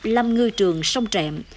lâm ngư trường sông trẹm